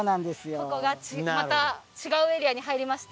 ここがまた違うエリアに入りました？